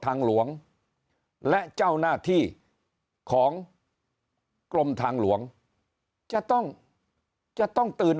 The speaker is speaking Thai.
ทางหลวงและเจ้าหน้าที่ของกรมทางหลวงจะต้องจะต้องตื่น